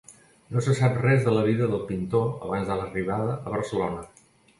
No se sap res de la vida del pintor abans de l'arribada a Barcelona.